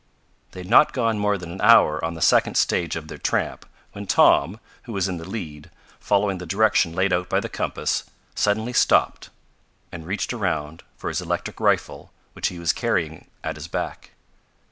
"' They had not gone more than an hour on the second stage of their tramp when Tom, who was in the lead, following the direction laid out by the compass, suddenly stopped, and reached around for his electric rifle, which he was carrying at his back.